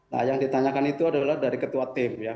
nah yang ditanyakan itu adalah dari ketua tim ya